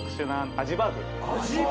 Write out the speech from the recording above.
アジバーグ？